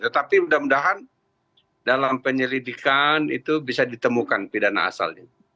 tetapi mudah mudahan dalam penyelidikan itu bisa ditemukan pidana asalnya